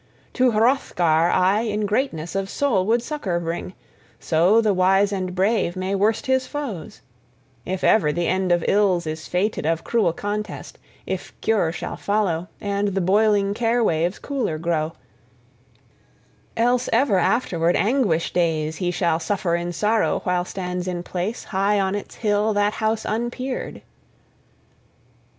To Hrothgar I in greatness of soul would succor bring, so the Wise and Brave {4a} may worst his foes, if ever the end of ills is fated, of cruel contest, if cure shall follow, and the boiling care waves cooler grow; else ever afterward anguish days he shall suffer in sorrow while stands in place high on its hill that house unpeered!"